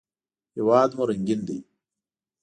هېواد مو رنګین دی